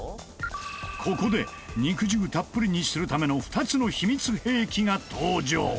ここで肉汁たっぷりにするための２つの秘密兵器が登場